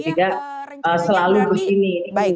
juga selalu di sini